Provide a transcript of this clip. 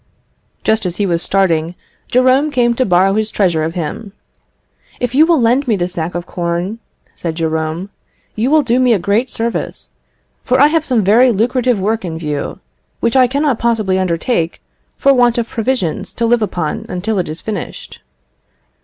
Just as he was starting, Jerome came to borrow his treasure of him. "If you will lend me this sack of corn," said Jerome, "you will do me a great service; for I have some very lucrative work in view, which I cannot possibly undertake, for want of provisions to live upon until it is finished."